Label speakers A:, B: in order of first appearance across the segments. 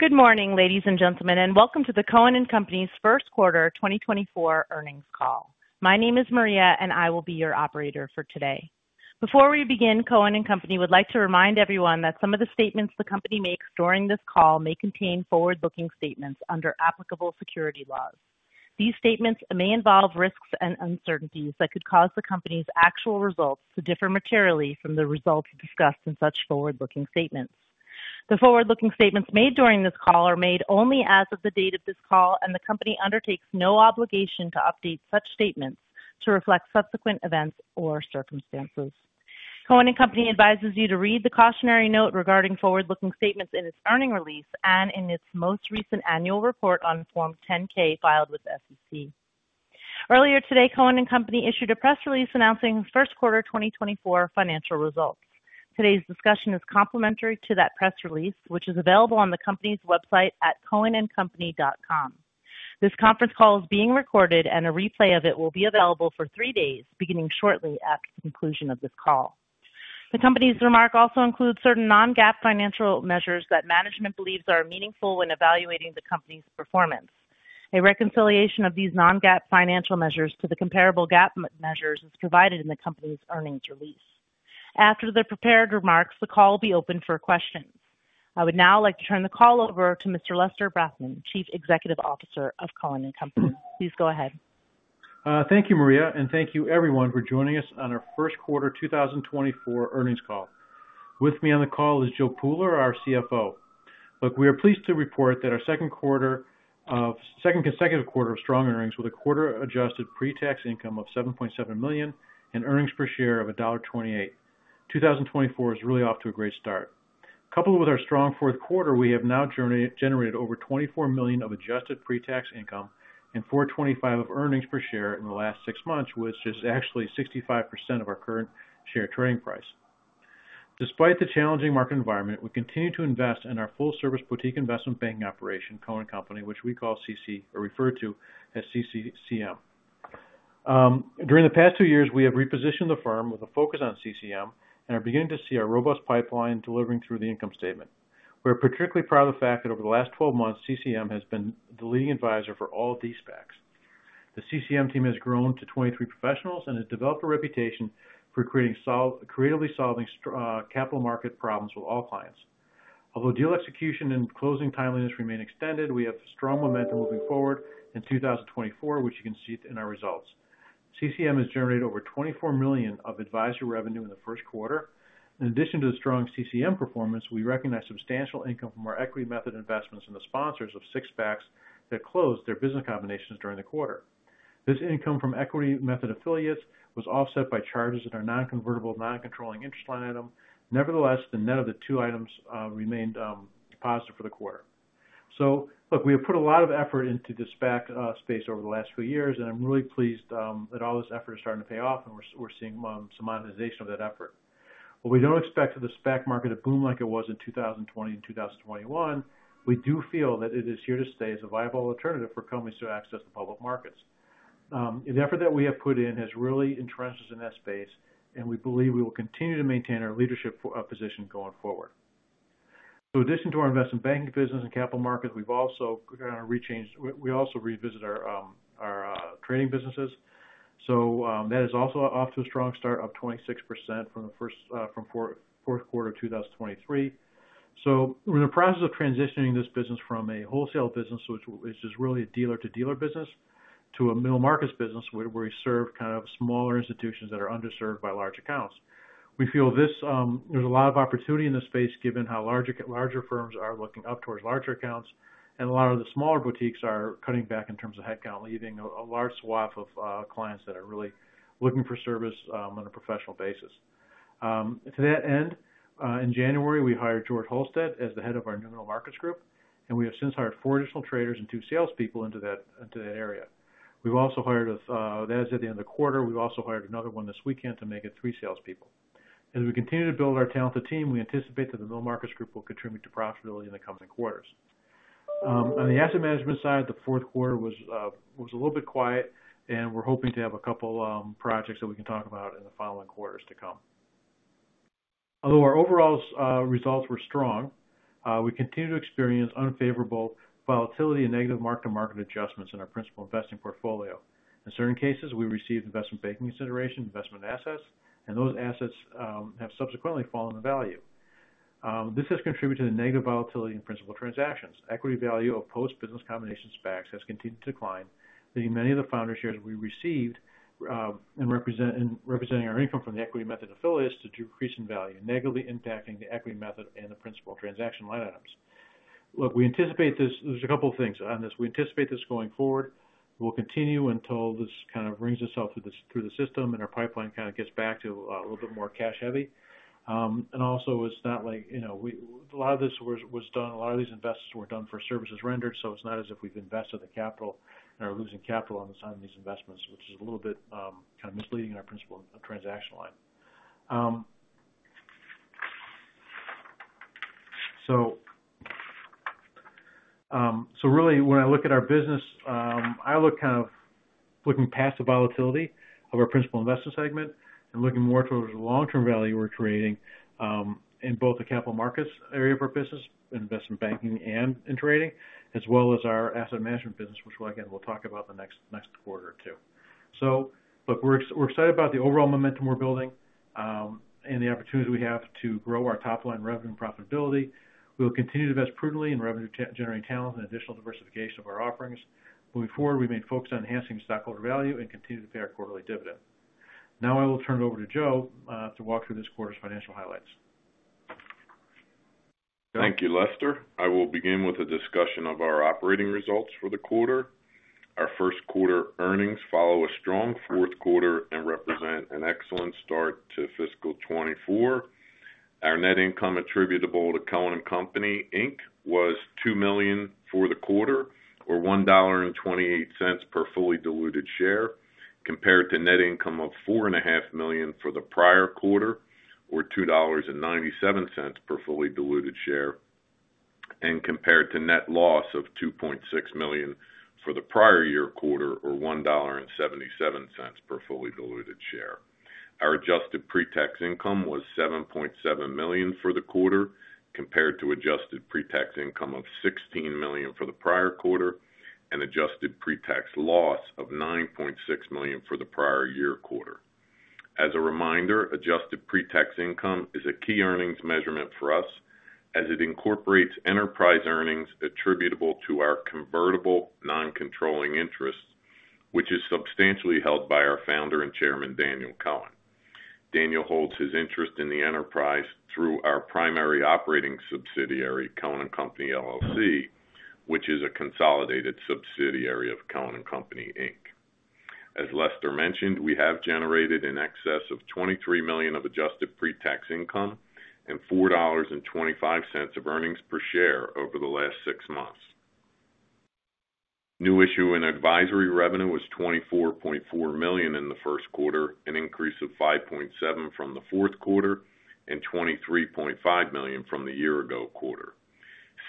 A: Good morning, ladies and gentlemen, and welcome to the Cohen & Company's first quarter 2024 earnings call. My name is Maria, and I will be your operator for today. Before we begin, Cohen & Company would like to remind everyone that some of the statements the company makes during this call may contain forward-looking statements under applicable securities laws. These statements may involve risks and uncertainties that could cause the company's actual results to differ materially from the results discussed in such forward-looking statements. The forward-looking statements made during this call are made only as of the date of this call, and the company undertakes no obligation to update such statements to reflect subsequent events or circumstances. Cohen & Company advises you to read the cautionary note regarding forward-looking statements in its earnings release and in its most recent annual report on Form 10-K filed with the SEC. Earlier today, Cohen & Company issued a press release announcing its first quarter 2024 financial results. Today's discussion is complementary to that press release, which is available on the company's website at cohenandcompany.com. This conference call is being recorded, and a replay of it will be available for three days, beginning shortly at the conclusion of this call. The company's remarks also include certain non-GAAP financial measures that management believes are meaningful when evaluating the company's performance. A reconciliation of these non-GAAP financial measures to the comparable GAAP measures is provided in the company's earnings release. After the prepared remarks, the call will be open for questions. I would now like to turn the call over to Mr. Lester Brafman, Chief Executive Officer of Cohen & Company. Please go ahead.
B: Thank you, Maria, and thank you, everyone, for joining us on our first quarter 2024 earnings call. With me on the call is Joe Pooler, our CFO. Look, we are pleased to report that our second consecutive quarter of strong earnings with adjusted pre-tax income of $7.7 million and earnings per share of $1.28. 2024 is really off to a great start. Coupled with our strong fourth quarter, we have now generated over $24 million of adjusted pre-tax income and $4.25 of earnings per share in the last six months, which is actually 65% of our current share trading price. Despite the challenging market environment, we continue to invest in our full-service boutique investment banking operation, Cohen & Company, which we call CC or refer to as CCM. During the past 2 years, we have repositioned the firm with a focus on CCM and are beginning to see our robust pipeline delivering through the income statement. We are particularly proud of the fact that over the last 12 months, CCM has been the leading advisor for all of these SPACs. The CCM team has grown to 23 professionals and has developed a reputation for creatively solving capital market problems with all clients. Although deal execution and closing timeliness remain extended, we have strong momentum moving forward in 2024, which you can see in our results. CCM has generated over $24 million of advisor revenue in the first quarter. In addition to the strong CCM performance, we recognize substantial income from our equity method investments and the sponsors of 6 SPACs that closed their business combinations during the quarter. This income from equity method affiliates was offset by charges in our non-convertible non-controlling interest line item. Nevertheless, the net of the two items remained positive for the quarter. So look, we have put a lot of effort into the SPAC space over the last few years, and I'm really pleased that all this effort is starting to pay off, and we're seeing some monetization of that effort. What we don't expect is the SPAC market to boom like it was in 2020 and 2021. We do feel that it is here to stay as a viable alternative for companies to access the public markets. The effort that we have put in has really entrenched us in that space, and we believe we will continue to maintain our leadership position going forward. So in addition to our investment banking business and capital markets, we've also kind of re-engaged. We also revisited our trading businesses. So that is also off to a strong start of 26% from the fourth quarter of 2023. So we're in the process of transitioning this business from a wholesale business, which is really a dealer-to-dealer business, to a middle-market business where we serve kind of smaller institutions that are underserved by large accounts. We feel there's a lot of opportunity in this space given how larger firms are looking up towards larger accounts, and a lot of the smaller boutiques are cutting back in terms of headcount, leaving a large swath of clients that are really looking for service on a professional basis. To that end, in January, we hired George Holstead as the head of our Middle Markets group, and we have since hired four additional traders and two salespeople into that area. We've also hired a that is at the end of the quarter. We've also hired another one this weekend to make it three salespeople. As we continue to build our talented team, we anticipate that the Middle Markets group will contribute to profitability in the coming quarters. On the asset management side, the fourth quarter was a little bit quiet, and we're hoping to have a couple of projects that we can talk about in the following quarters to come. Although our overall results were strong, we continue to experience unfavorable volatility and negative mark-to-market adjustments in our principal investing portfolio. In certain cases, we received investment banking consideration, investment assets, and those assets have subsequently fallen in value. This has contributed to the negative volatility in principal transactions. Equity value of post-business combination SPACs has continued to decline, leaving many of the founder shares we received and representing our income from the equity method affiliates to decrease in value, negatively impacting the equity method and the principal transaction line items. Look, we anticipate this. There's a couple of things on this. We anticipate this going forward. We'll continue until this kind of rings itself through the system and our pipeline kind of gets back to a little bit more cash-heavy. And also, it's not like a lot of this was done. A lot of these investments were done for services rendered, so it's not as if we've invested the capital and are losing capital on these investments, which is a little bit kind of misleading in our principal transaction line. So really, when I look at our business, I look kind of past the volatility of our principal investment segment and looking more towards the long-term value we're creating in both the capital markets area of our business, investment banking and in trading, as well as our asset management business, which again, we'll talk about the next quarter or two. So look, we're excited about the overall momentum we're building and the opportunities we have to grow our top-line revenue and profitability. We will continue to invest prudently in revenue-generating talent and additional diversification of our offerings. Moving forward, we may focus on enhancing stockholder value and continue to pay our quarterly dividend. Now I will turn it over to Joe to walk through this quarter's financial highlights.
C: Thank you, Lester. I will begin with a discussion of our operating results for the quarter. Our first quarter earnings follow a strong fourth quarter and represent an excellent start to fiscal 2024. Our net income attributable to Cohen & Company, Inc., was $2 million for the quarter, or $1.28 per fully diluted share, compared to net income of $4.5 million for the prior quarter, or $2.97 per fully diluted share, and compared to net loss of $2.6 million for the prior year quarter, or $1.77 per fully diluted share. Our Adjusted Pre-Tax Income was $7.7 million for the quarter, compared to Adjusted Pre-Tax Income of $16 million for the prior quarter and Adjusted Pre-Tax Loss of $9.6 million for the prior year quarter. As a reminder, adjusted pre-tax income is a key earnings measurement for us as it incorporates enterprise earnings attributable to our convertible, non-controlling interests, which is substantially held by our founder and chairman, Daniel Cohen. Daniel holds his interest in the enterprise through our primary operating subsidiary, Cohen & Company, LLC, which is a consolidated subsidiary of Cohen & Company, Inc. As Lester mentioned, we have generated an excess of $23 million of adjusted pre-tax income and $4.25 of earnings per share over the last six months. New issue and advisory revenue was $24.4 million in the first quarter, an increase of $5.7 million from the fourth quarter and $23.5 million from the year-ago quarter.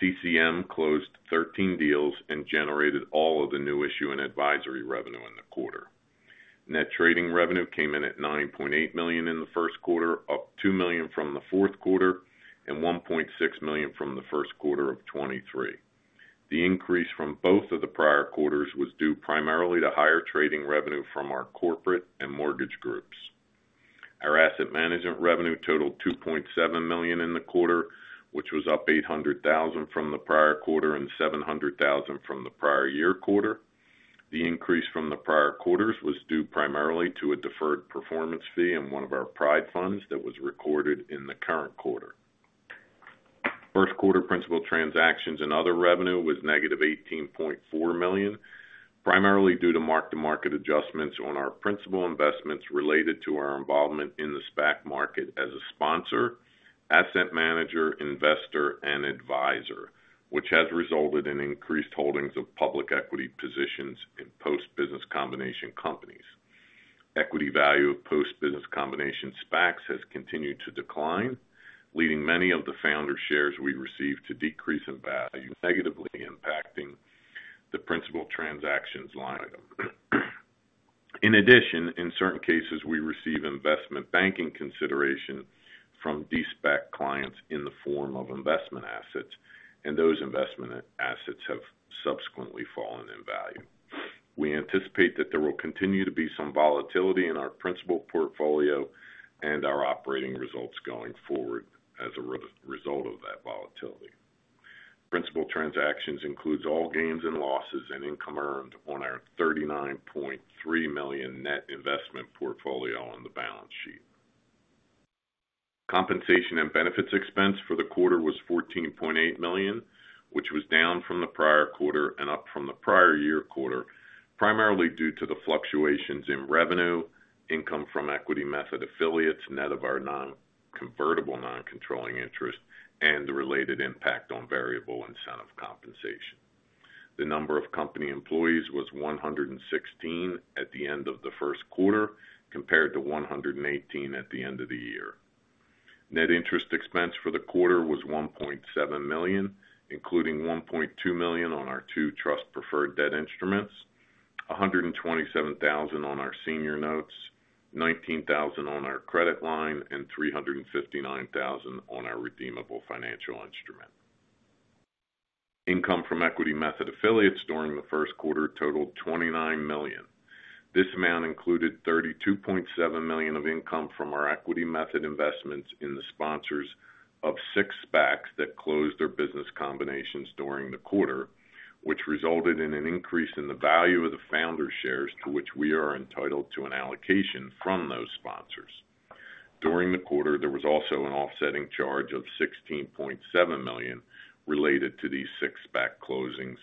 C: CCM closed 13 deals and generated all of the new issue in advisory revenue in the quarter. Net trading revenue came in at $9.8 million in the first quarter, up $2 million from the fourth quarter and $1.6 million from the first quarter of 2023. The increase from both of the prior quarters was due primarily to higher trading revenue from our corporate and mortgage groups. Our asset management revenue totaled $2.7 million in the quarter, which was up $800,000 from the prior quarter and $700,000 from the prior year quarter. The increase from the prior quarters was due primarily to a deferred performance fee in one of our PriDe Funds that was recorded in the current quarter. First quarter principal transactions and other revenue was negative $18.4 million, primarily due to mark-to-market adjustments on our principal investments related to our involvement in the SPAC market as a sponsor, asset manager, investor, and advisor, which has resulted in increased holdings of public equity positions in post-business combination companies. Equity value of post-business combination SPACs has continued to decline, leading many of the founder shares we received to decrease in value, negatively impacting the principal transactions line item. In addition, in certain cases, we receive investment banking consideration from De-SPAC clients in the form of investment assets, and those investment assets have subsequently fallen in value. We anticipate that there will continue to be some volatility in our principal portfolio and our operating results going forward as a result of that volatility. Principal transactions includes all gains and losses and income earned on our $39.3 million net investment portfolio on the balance sheet. Compensation and benefits expense for the quarter was $14.8 million, which was down from the prior quarter and up from the prior year quarter, primarily due to the fluctuations in revenue, income from equity method affiliates, net of our non-convertible, non-controlling interest, and the related impact on variable incentive compensation. The number of company employees was 116 at the end of the first quarter compared to 118 at the end of the year. Net interest expense for the quarter was $1.7 million, including $1.2 million on our 2 trust preferred debt instruments, $127,000 on our senior notes, $19,000 on our credit line, and $359,000 on our redeemable financial instrument. Income from equity method affiliates during the first quarter totaled $29 million. This amount included $32.7 million of income from our equity method investments in the sponsors of six SPACs that closed their business combinations during the quarter, which resulted in an increase in the value of the founder shares to which we are entitled to an allocation from those sponsors. During the quarter, there was also an offsetting charge of $16.7 million related to these six SPAC closings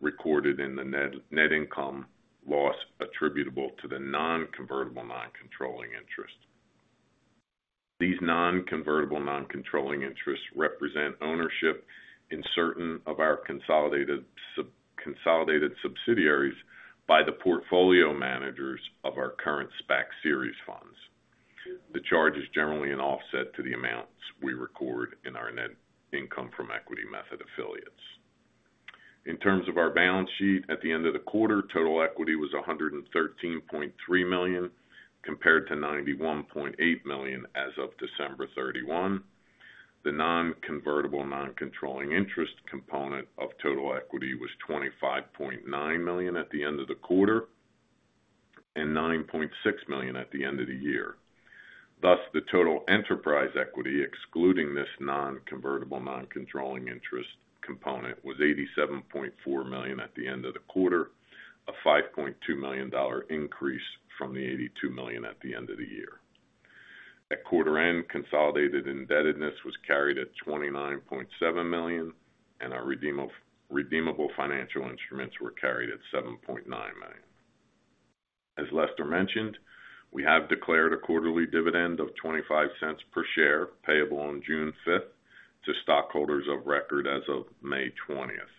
C: recorded in the net income loss attributable to the non-convertible, non-controlling interest. These non-convertible, non-controlling interests represent ownership in certain of our consolidated subsidiaries by the portfolio managers of our current SPAC series funds. The charge is generally an offset to the amounts we record in our net income from equity method affiliates. In terms of our balance sheet, at the end of the quarter, total equity was $113.3 million compared to $91.8 million as of December 31. The non-convertible, non-controlling interest component of total equity was $25.9 million at the end of the quarter and $9.6 million at the end of the year. Thus, the total enterprise equity excluding this non-convertible, non-controlling interest component was $87.4 million at the end of the quarter, a $5.2 million increase from the $82 million at the end of the year. At quarter end, consolidated indebtedness was carried at $29.7 million, and our redeemable financial instruments were carried at $7.9 million. As Lester mentioned, we have declared a quarterly dividend of $0.25 per share payable on June 5th to stockholders of record as of May 20th.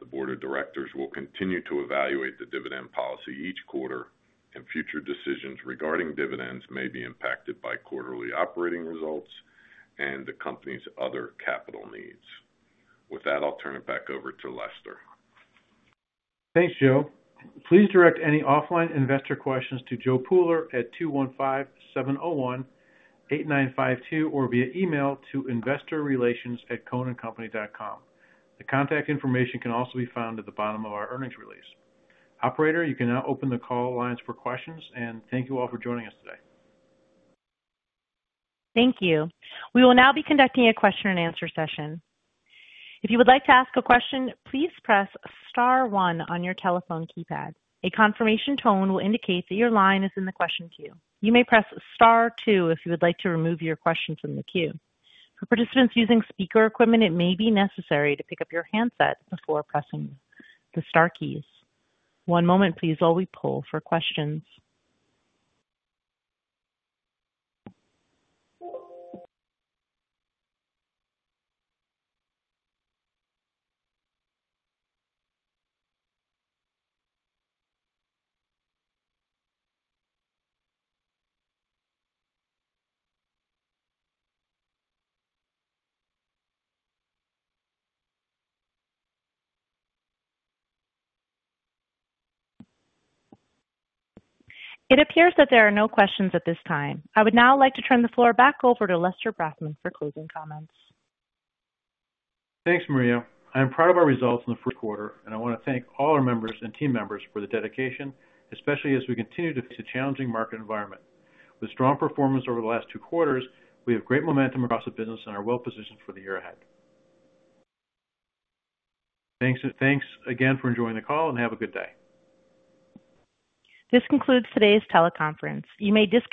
C: The board of directors will continue to evaluate the dividend policy each quarter, and future decisions regarding dividends may be impacted by quarterly operating results and the company's other capital needs. With that, I'll turn it back over to Lester.
B: Thanks, Joe. Please direct any offline investor questions to Joe Pooler at 215-701-8952 or via email to investorrelations@cohenandcompany.com. The contact information can also be found at the bottom of our earnings release. Operator, you can now open the call lines for questions, and thank you all for joining us today.
A: Thank you. We will now be conducting a question-and-answer session. If you would like to ask a question, please press star one on your telephone keypad. A confirmation tone will indicate that your line is in the question queue. You may press star two if you would like to remove your question from the queue. For participants using speaker equipment, it may be necessary to pick up your handset before pressing the star keys. One moment, please, while we pull for questions. It appears that there are no questions at this time. I would now like to turn the floor back over to Lester Brafman for closing comments.
B: Thanks, Maria. I am proud of our results in the first quarter, and I want to thank all our members and team members for the dedication, especially as we continue to face a challenging market environment. With strong performance over the last two quarters, we have great momentum across the business and are well positioned for the year ahead. Thanks again for enjoying the call, and have a good day.
A: This concludes today's teleconference. You may disconnect.